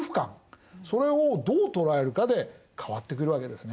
それをどう捉えるかで変わってくるわけですね。